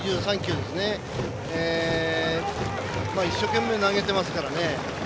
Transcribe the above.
一生懸命投げてますからね。